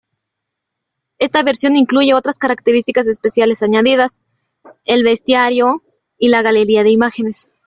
Esta versión incluye otras características especiales añadidas, el bestiario y la galería de imágenes.